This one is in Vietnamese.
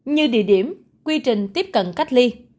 như địa điểm quy trình tiếp cận cách ly